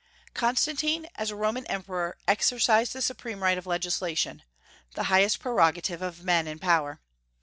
Constantine, as a Roman emperor, exercised the supreme right of legislation, the highest prerogative of men in power.